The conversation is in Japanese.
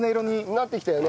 なってきたよね。